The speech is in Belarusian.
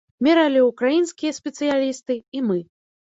Мералі ўкраінскія спецыялісты і мы.